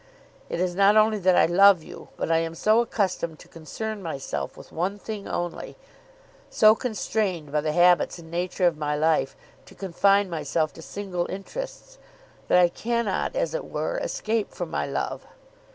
It is not only that I love you, but I am so accustomed to concern myself with one thing only, so constrained by the habits and nature of my life to confine myself to single interests, that I cannot as it were escape from my love.